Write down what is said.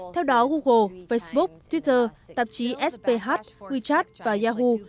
theo đó google facebook twitter tạp chí sph wechat và yahu